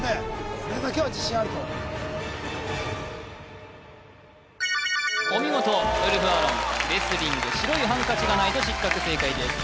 これだけは自信あるとお見事ウルフアロンレスリング白いハンカチがないと失格正解です